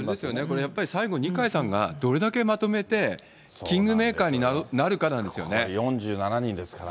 やっぱり最後、二階さんがどれだけまとめて、キングメーカー４７人ですからね。